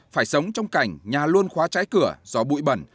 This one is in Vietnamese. phải sống trong cảnh nhà luôn khóa trái cửa do bụi bẩn